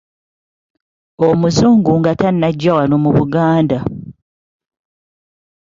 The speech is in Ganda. Omuzungu nga tannajja wano mu Buganda.